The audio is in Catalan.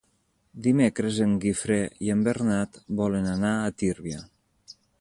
Dimecres en Guifré i en Bernat volen anar a Tírvia.